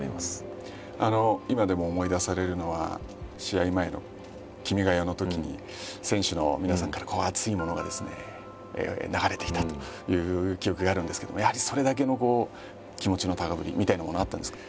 今でも思い出されるのは試合前の「君が代」のときに選手の皆さんから熱いものがですね流れていたという記憶があるんですけどもやはりそれだけの気持ちの高ぶりみたいなものはあったんですか？